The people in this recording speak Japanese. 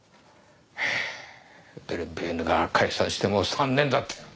はあヴェルベーヌが解散してもう３年だってのに。